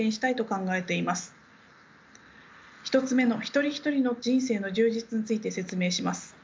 １つ目の一人一人の人生の充実について説明します。